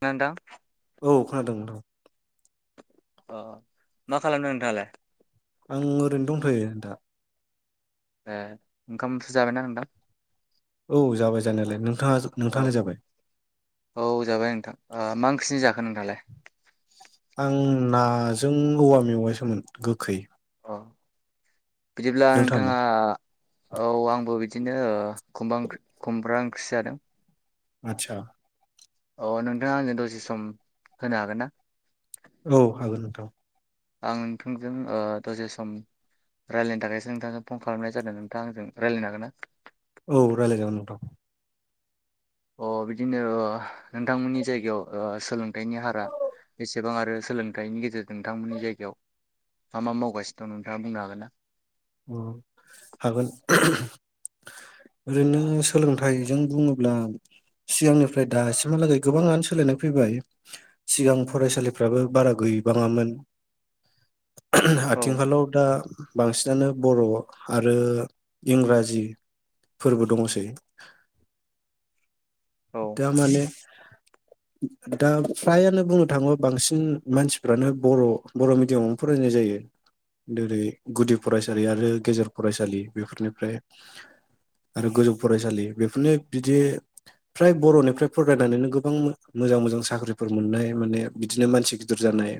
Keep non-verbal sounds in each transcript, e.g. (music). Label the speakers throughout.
Speaker 1: ना नोंथां
Speaker 2: औ खोनादों नोंथां
Speaker 1: अ मा खालामदों नोंथाङालाय।
Speaker 2: आं ओरैनो दंथ'यो दा
Speaker 1: ए ओंखाम जाबायना नोंथां?
Speaker 2: औ जाबाय जानायालाय नोंथाङा
Speaker 1: औ
Speaker 2: नोंथाङानो जाबाय
Speaker 1: औ जाबाय नोंथां ओ मा ओंख्रिजों जाखो नोंथाङालाय
Speaker 2: आं नाजों औवा मेवाइ सोमोन गोखै।
Speaker 1: अ बिदिब्ला
Speaker 2: नोंथाङालाय
Speaker 1: नोंथाङा औ आंबो बिदि। बिदिनो ओ खुबा ओंख्रि खुब्रां ओंख्रि जादों।
Speaker 2: आतसा।
Speaker 1: अ नोंथाङा आंनो दसे सम होनो हागोन ना।
Speaker 2: औ हागोन नोंथां।
Speaker 1: आं नोंथांजों दसे सम रायलायनो थाखायसो नोंथांजों फन खालामनाय जादों नोंथाङा आंजों रायलायनो हागोन ना?
Speaker 2: औ रायलाय जागोन नोंथां
Speaker 1: अ बिदिनो ओ नोंथांमोननि जायगायाव ओ सोलोंथाइनि हारा बेसेबां आरो सोलोंथाइनि गेजेरजों नोंथांमोननि जायगायाव मा मा मावगासिनो दं नोंथाङा बुंनो हागोन ना?
Speaker 2: अ हागोन ओरैनो सोलोंथाइजों बुङोब्ला सिगांनिफ्राय दासिमहालागै गोबाङानो सोलायनाय फैबाय सिगां फरायसालिफ्राबो बारा गैबाङामोन। आथिं
Speaker 1: औ
Speaker 2: खालाव दा बांसिनानो बर' आरो इंराजि फोरबो दङ'सै
Speaker 1: औ
Speaker 2: दा माने दा फ्रायानो बुंनो थाङो बांसिन मानसिफ्रानो बर' बर' मिडियामावनो फरायनाय जायो जेरै गुदि फरायसालि आरो गेजेर फरायसालि बेफोरनिफ्राय आरो गोजौ फरायसालि बेफोरनो बिदि फ्राय बर'निफ्राय फरायनानैनो गोबां मोजां मोजां साख्रिफोर मोननाय माने बिदिनो मानसि गिदिर जानाय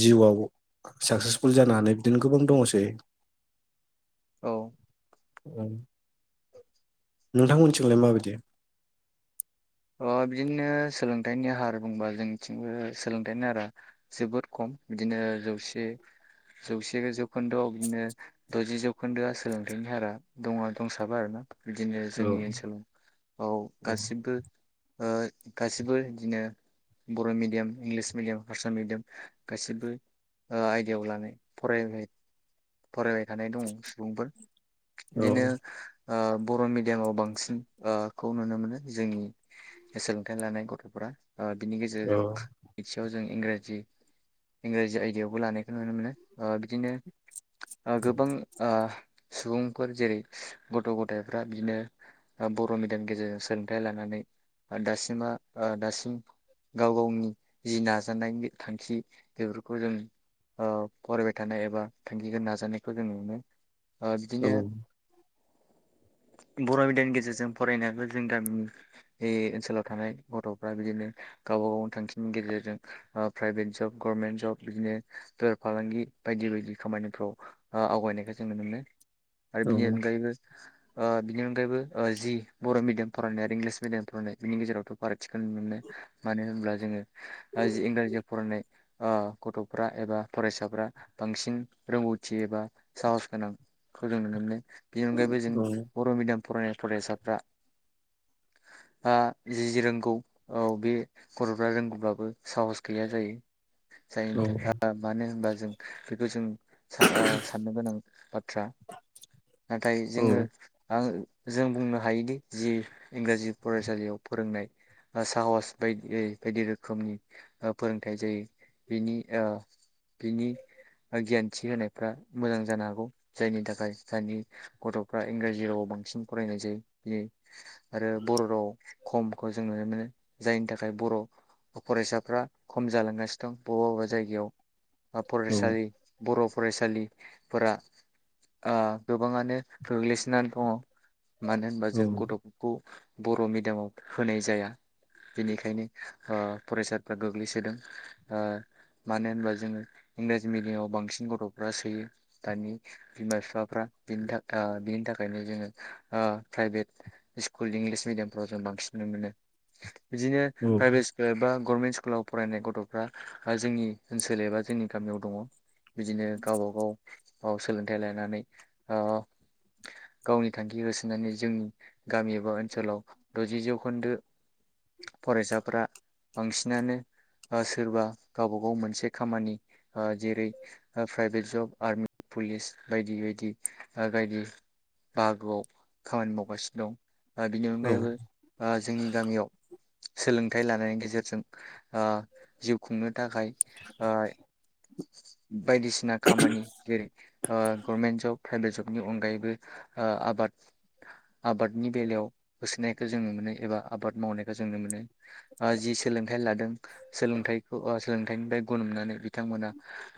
Speaker 2: जिउआव साक्सेसफुल जानो हानाय बिदिनो गोबां दङ'सै
Speaker 1: औ।
Speaker 2: नोंथांमोननिथिंलाय माबायदि?
Speaker 1: अ बिदिनो सोलोंथाइनि हार बुंबा जोंनिथिंबो सोलोंथाइनि हारा जोबोद खम बिदिनो जौसे जौसे जौखोन्दोआव बिदिनो दजि जौखोन्दोआ सोलोंथाइनि हारा दङ' दंसाबो आरोना। बिदिनो
Speaker 2: औ
Speaker 1: जोंनि ओनसोल औ गासिबो ओ गासिबो बिदिनो बर' मिडियाम इंलिस मिडियाम हारसा मिडियाम गासिबो ओ आयदायाव लानाय फरायनाय फरायबाय थानाय दङ' सुबुंफोर
Speaker 2: औ
Speaker 1: बिदिनो ओ बर' मिडियामाव बांसिन ओ खौ नुनो मोनो जोंनि सोलोंथाइ लानाय गथ'फ्रा ओ बिनि
Speaker 2: औ
Speaker 1: गेजेरजों (unintelligible) जों इंराजि इंराजि आयदायावबो लानायखौ नुनो मोनो ओ बिदिनो ओ गोबां ओ सुबुंफोर जेरै गथ' गथाय फ्रा बिनो बर' मिडियामनि गेजेरजों सोलोंथाइ लानानै दासिमा ओ दासिम गाव गावनि जि नाजानायनि थांखि बेफोरखौ जों ओ फरायबाय थानाय एबा थांखिखौ नाजानायखौ जों नुनो ओ
Speaker 2: औ
Speaker 1: बिदिनो बर' मिडियामनि गेजेरजों फरायनाबो जों गामिनि बे ओनसोलाव थानाय गथ'फ्रा बिदिनो गावबा गाव थांखिनि गेजेरजों ओ प्राइभेट जब गभरनमेन्ट जब बिदिनो बेफार फालांगि बायदि बायदि खामानिफ्राव आ आवगायनायखौ जों नुनो मोनो। आरो
Speaker 2: औ
Speaker 1: बिनि अनगायैबो ओ बिनि अनगायबो ओ जि बर' मिडियाम फरायनाय आरो इंलिस मिडियाम नाय बिनि गेजेरावथ' फारागथिखोनो मोनो। मानो होनब्ला जोङो ओज इंराजियाव फरायनाय ओ गथ'फ्रा एबा फरायसाफ्रा बांसिन रोंगौथि एबा साहस गोनां खौ जों नुनो मोनो बेनि अनगायैबो जों बर' मिडियाम फरायनाय फरायसाफ्रा आ जि जि रोंगौ औ बे गथ'फ्रा रोंगौब्लाबो साहस गैया जायो।
Speaker 2: औ
Speaker 1: जायनि थाखा मानो होनबा जों बेखौ जों ओ साननो गोनां बाथ्रा नाथाय जोङो आं जों बुंनो हायोदि जि इंराजि फरायसालियाव फोरोंनाय साहस बायदि बायदि रोखोमनि फोरोंथाइ जायो बिनि ओ बिनि गियानथि होनायफ्रा मोजां जानो हागौ जायनि थाखाय दानि गथ'फ्रा इंराजि रावाव बांसिन फरायनाय जायो बि आरो बर' रावाव खमखौ जों नुनो मोनो जायनि थाखाय बर' फरायसाफ्रा खम जालांगासिनो बबा बबा जायगायाव ओ फरायसालि बर' फरायसालि फोरा ओ गोबाङानो गोग्लैसोनानै दङ'। मानो होनबा जों गथ'फोरखौ बर मिडियामाव होनाय जाया बेनिखायनो ओ फरायसाफ्रा गोग्लैसोदों ओ मानो होनबा जोङो इंराजि मिडियामाव बांसिन गथ'फ्रा सोयो दानि बिमा फि फाफ्रानि थाखाय बिनि थाखायनो जोङो ओ प्राइभेट स्कुल इंलिस मिडियामफ्राव जों बांसिन नुनो मोनो। बिदिनो
Speaker 2: औ
Speaker 1: प्राइभेत स्कुला ए बा गरमेन स्कुलाव फरायनाय गथ'फ्रा जोंनि ओनसोल एबा जोंनि गामियाव दङ। बिदिनो गावबा गाव औ सोलोंथाय लाइनानै औ औ गावनि थांखि होसोनानै जोंनि गामि एबा ओनसोलाव दजि जौखोन्दो फरायसाफ्रा बांसिनानो ओ सोरबा गावबा गाव मोनसे खामानि ओ जेरै-प्राइभेट जब आर्मि पुलिस बायदि बाय दि आगायदि बाहागोआव खामानि मावगासिनो दं ओ बिनि
Speaker 2: औ
Speaker 1: अनगायैबो ओ जोंनि गामियाव सोलोंथाइ लानायनि गेजेरजों ओ जिउ खुंनो थाखाय ओ बायदिसिना खामानि जेरै-ओ गर्मेन्ट जब जबनि अनगायैबो ओ आबाद आबादनि बेलायाव होसोनायखौ जों नुनो मोनो एबा आबाद मावनायखौ जों नुनो मोनो। ओ जि सोलोंथाइ लादों सोलोंथाइखौ ओ सोलोंथाइनिफ्राय गुन‌ मोननानै बिथांमोना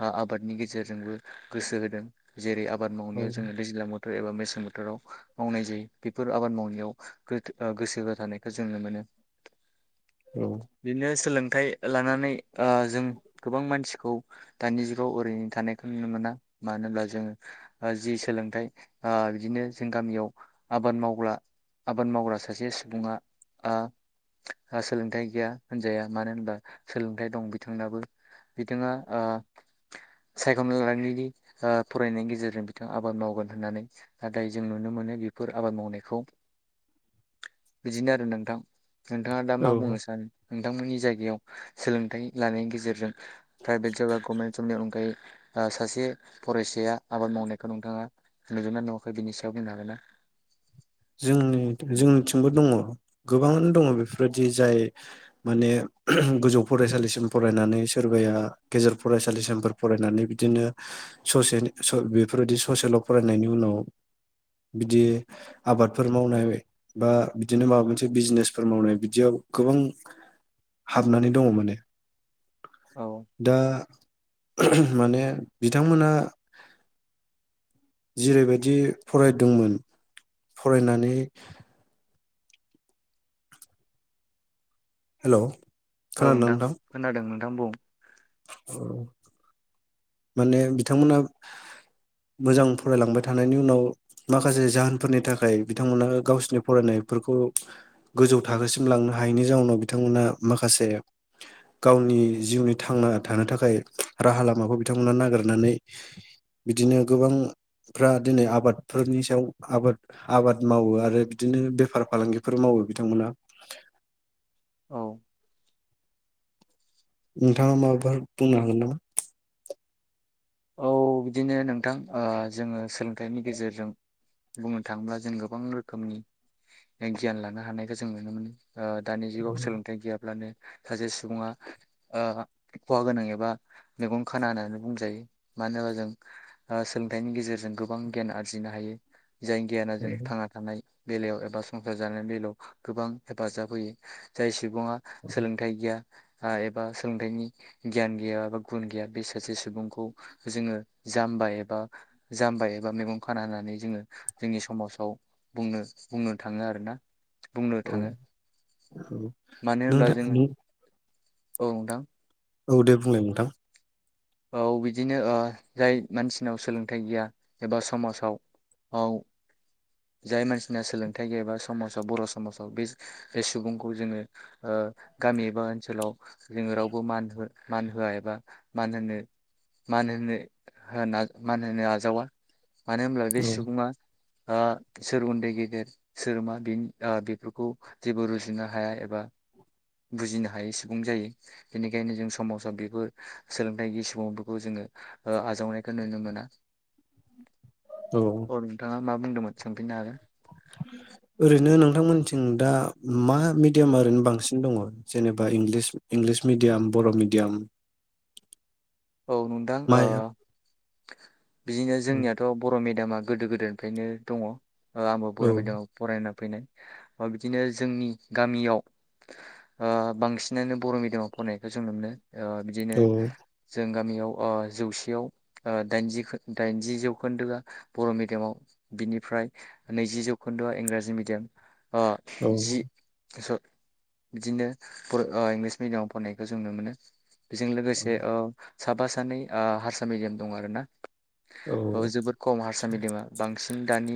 Speaker 1: ओ आबादनि गेजेरजोंबो गोसो होदों जेरै आ आबाद
Speaker 2: औ
Speaker 1: मावनायाव जों दैज्लां बो एबा मेसें बोथोराव मावनाय जायो बेफोर आबाद मावनायाव गोथ ओ गोसो हो थानायखौ जों नुनो मोनो। बिनो सोलों थाइ लानानै ओ जों गोबां मानसिखौ दानि जुगाव ओरैनो थानायखौ नुनो मोना मानो होनब्ला जोङो जि सोलोंथाइ ओ बिदिनो जों गामियाव आबाद मावग्रा आबाद मावग्रा सासे सुबुङा ओ सोलोंथाइ गैया होनजाया मानो होनबा सोलोंथाइ दं बिथांनाबो बिथांङा ओ सायख लालांनायनि ओ‌ फ फरायनायनि गेजेरजों बिथां आबाद मावगोन होननानै नाथाय जों नुनो मोनो बेफोर आबाद मावनायखौ बिदिनो आरो नोंथां। नोंथाङा दा मा बुंनो
Speaker 2: औ
Speaker 1: सानो नोंथांमोननि जाय याव सोलोंथाइ लानायनि गेजेरजों प्राइभेट जब बा गभमेन्ट जबनि अनगायै ओ सासे फरायसा या आबाद मावनायखौ नोंथाङा नुदोना नुवाखै बिनि सायाव बुंनो हागोन ना?
Speaker 2: जोंनि जोंनिथिंबो दङ गोबां दङ बेफोरबायदि जाय माने गोजौ फरायसालिसिम फरायनानै सोरबाया गेजेर फरायसालिसिमफोर फरायनानै बिदिनो ससेनि बेफोरबायदि ससेल फरायनायनि उनाव बिदि आबादफोर मावनाय बा बिदिनो माबा मोनसे बिजनेसफोर मावनाय बिदियाव गोबां हाबनानै दङ माने
Speaker 1: औ
Speaker 2: दा माने बिथांमोना जेरै-बायदि फरायदोंमोन फरायनानै हेलोव
Speaker 1: औ नोंथां खोनादोंमोन। थां बुं
Speaker 2: माने बिथांमोना मोजां फरायलांबाय थानायनि उनाव माखासे जाहोनफोरनि थाखाय बिथांमोना गावसोरनि फरायनायफोरखौ गोजौ थाखोसिम लांनो हायैनि जाउनाव बिथांमोना माखासे गावनि जिउनि थांना थानो थाखाय राहा लामाखौ बिथांमोना नागिरनानै बिदिनो गोबांफ्रा दिनै आबादफोरनि सायाव आबाद आबाद मावो आरो बिदिनो बेफार फालांगिफोर मावो बिथांमोना
Speaker 1: औ
Speaker 2: नोंथाङा माबाफोर बुंनो हागोन नामा?
Speaker 1: औ बिदिनो नोंथां ओ जोङो सोलोंथाइनि गेजेरजों बुंनो थाङोब्ला जों गोबां रोखोमनि गियान लानो हानायखौ जों नुनो मोनो। ओ दानि जुगाव सोलोंथाइ गैयाब्लानो सासे सुबुङा ओ खहा गोनां एबा मेगन खाना होननानै बुंजायो मानो होनोबा जों ओ सोलोंथाइनि गेजेरजों गोबां गियान आरजिनो हायो जाय गियाना जों थांना थानाय बेलायाव एबा संसार जानायनि बेलायाव गोबां हेफाजाब होयो जाय सुबुङा सोलोंथाइ गैया आ एबा सोलोंथाइनि गियान गैया एबा गुन गैया बे सासे सुबुंखौ जोङो जाम्बा एबा जाम्बा एबा मेगन खाना होननानै जोङो जोंनि समाजाव बुंनो बुंनो थाङो आरोना बुंनो
Speaker 2: औ
Speaker 1: थाङो
Speaker 2: औ
Speaker 1: मानो
Speaker 2: नों
Speaker 1: होनब्ला
Speaker 2: दा
Speaker 1: जोङो
Speaker 2: बुं
Speaker 1: औ नोंथां।
Speaker 2: औ दे बुंलाय नोंथां।
Speaker 1: औ बिदिनो ओ जाय मानसिनाव सोलोंथाइ गैया एबा समाजाव औ जाय मानसिना सोलोंथाइ गैयाबा समाजाव बर' समाजाव बे सुबुंखौ जोङो गामि एबा ओनसोलाव जोङो रावबो मान मान होआ एबा मान होनो मान होनो होना मान होनो आजावा मानो होनब्ला बे
Speaker 2: औ
Speaker 1: सुबुङा ओ सोर उन्दै गेदेर सोर मा बेफोरखौ जेबो रुजुनो हाया एबा बुजिनो हायै सुबुं जायो बेनिखायनो जों समाजाव बेफोर सोलोंथाइ सुबुंफोरखौ जोङो आजावनायखौ नुनो मोना।
Speaker 2: औ
Speaker 1: अ नोंथाआ। मा बुंदोंमोन सोंफैनो हागोन?
Speaker 2: ओरैनो नोंथांमोनथिं दा मा मिडियामा ओरैनो बांसिन दङ जेनेबा इंलिस मिडियाम बर' मिडियाम?
Speaker 1: औ नोंथां ओ।
Speaker 2: माया
Speaker 1: (inaudible) बिदिनो
Speaker 2: औ
Speaker 1: जोंनियाथ बर' मिडियाम दामा गोदो गोदायनिफ्रायनो दङ अ आंबो
Speaker 2: औ
Speaker 1: बर' मिडियामाव फरायनो फैनाय अ बिदिनो जोंनि गामियाव ओ बांसिनानो बर' मिडियामाव फरायनायखौ जों नुनो मोनो अ बिदिनो
Speaker 2: औ
Speaker 1: जों गामियाव ओ जौसेयाव दाइनजि जौखोन्दोआ बर'मिडियामाव बिनिफ्राय नैजि जौखोन्दोआ इंराजि मिडियाम अ
Speaker 2: औ
Speaker 1: जि स बिदिनो ओ इंलिस मिडियामाव फरायनायखौ जों नुनो मोनो। बेजों लोगोसे औ। साबा सानै ओ हारसा मेडियाम दं आरो ना। औ जोबोद खम हारसा मिडियामा बांसिन। दानि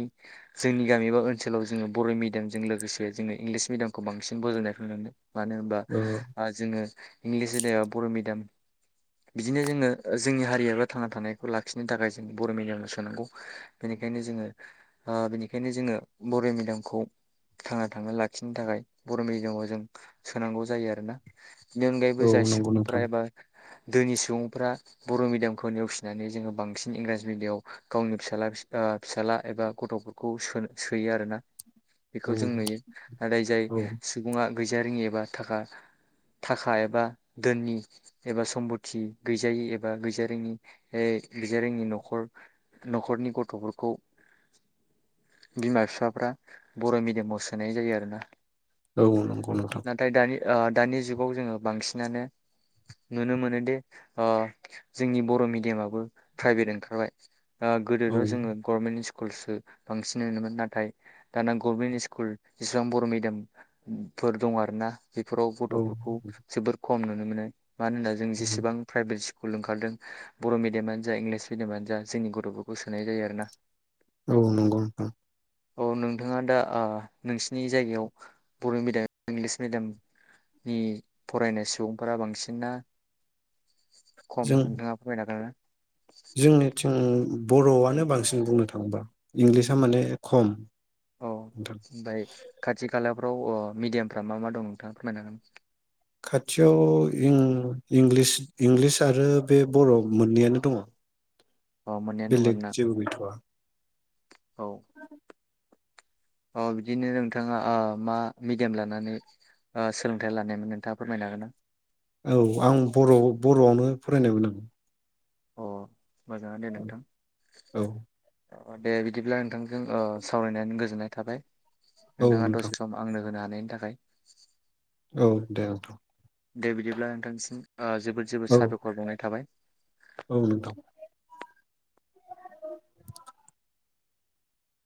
Speaker 1: जोंनि गामि बा ओनसोलाव जोङो बर' मिडियामजों लोगोसे जोङो इंलिस मिडियामखौ बांसिन बजबनायखौ नुनो मोनो। मानो होनबा
Speaker 2: औ
Speaker 1: आ जोङो इंलिस मिडियाम बर' मिडियाम बिदिनो जोङो ओ जोंनि हारियाब्रा थांना थानायखौ लाखिनो थाखाय जों बर' मिडियामाव सोनांगौ बेनिखायनो जोङो ओ बिनिखायनो जोङो बर' मिडियामखौ थांना थानो लाखिनो थाखाय बर' मिडियामाव जों सोनांगौ जायो आरोना बेनि अनगायैबो
Speaker 2: औ
Speaker 1: जाय
Speaker 2: नंगौ
Speaker 1: सुबुंफ्रा
Speaker 2: नोंथां
Speaker 1: एबा दोनि सुबुंफ्रा बर' मिडियामखौ नेवसिनानै जोङो बांसिन इंराजि मिडियामाव गावनि फिसाला ओ फिसाला एबा गथ'फोरखौ सो सोयो आरोना।
Speaker 2: औ
Speaker 1: बेखौ जों नुयो नाथाय जाय
Speaker 2: औ
Speaker 1: सुबुङा गैजारिङि एबा थाखा-थाखा एबा दोननि एबा सम्प थि गैजायि एबा गैजा रोङि ओ गैजा रोङि न'खर न'खरनि गथ'फोरखौ बिमा बिफाफ्रा बर' मिडियामाव सोनाय जायो आरो ना।
Speaker 2: औ नंगौ नोंथां।
Speaker 1: ओ दानि जुगाव जोङो बांसिनानो नुनो मोनोदि ओ जोंनि बर' मिडियामाबो प्राइभेट ओंखारबाय। ओ
Speaker 2: औ
Speaker 1: गोदोथ' जोङो गभनेट स्कु स्कुलसो बांसिन नोमोन नाथाय दाना गभमेन्ट स्कुल जेसिबां बर' मिडियामफोर दं आरोना। बेफोराव
Speaker 2: औ
Speaker 1: गथ'फोरखौ जोबोर खम नुनो मोनो। मानो होनोबा जों
Speaker 2: औ
Speaker 1: जेसे प्राइभेट स्कुल ओंखारदों बर' मिडियामानो जा इंलिस मिडियामानो जा जोंनि गथ'फोरखौ सोनाय जायो आरोना।
Speaker 2: औ नंगौ नोंथां।
Speaker 1: औ नोंथाङा दा आ नोंसिनि जायगायाव बर'मिडियाम इंलिस मिडियामनि फरायनाय सुबुंफोरा बांसिन ना खम
Speaker 2: जों
Speaker 1: नोंथाङा फोरमायनो हागोन
Speaker 2: जोंनिथिं बर' आनो बांसिन बुंनो थाङोबा इंलिसा माने खम।
Speaker 1: औ
Speaker 2: नोंथां
Speaker 1: बाय खाथि खाला बेफ्राव ओ मिडियामफ्रा मा मा दं नोंथाङा फोरमायनो हागोन?
Speaker 2: खाथियाव इं-इंलिस इंलिस आरो बे बर'मोननैयानो दङ'।
Speaker 1: अ मोननैयानो दं
Speaker 2: बेलेग
Speaker 1: आरोना
Speaker 2: जेबो गैथ'आ।
Speaker 1: औ अ बिदिनो नोंथाङा ओ मा मिडियाम लानानै ओ सोलोंथाइ लानायमोन नोंथाङा फोरमायनो हागोन ना?
Speaker 2: औ आं बर'-बर' आवनो फरायनाय फरायनायमोन नो
Speaker 1: अ मोजांआनो दे नोंथां। अ दे बिदिब्ला नोंथांजों ओ सावरायनानै गोजोननाय थाबाय।
Speaker 2: औ
Speaker 1: नोंथाङा
Speaker 2: नोंथां
Speaker 1: दसे सम आंनो होनो हानाय मोननायनि थाखाय।
Speaker 2: औ दे दोनथ'
Speaker 1: दे बिदिब्ला नोंथांसिम ओ जोबोद जोबोद
Speaker 2: औ
Speaker 1: सादखर बावनाय थाबाय।
Speaker 2: औ नोंथां